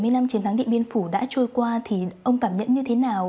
bảy mươi năm chiến thắng điện biên phủ đã trôi qua thì ông cảm nhận như thế nào